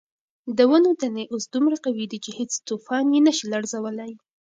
د ونو تنې اوس دومره قوي دي چې هیڅ طوفان یې نه شي لړزولی.